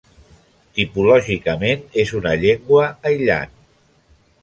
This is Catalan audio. Tipològicament és una llengua aïllant.